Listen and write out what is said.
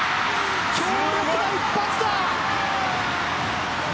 強力な一発だ。